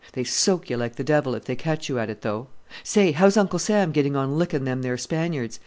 They soak you like the devil if they catch you at it, though. Say! how's Uncle Sam getting on licking them there Spaniards?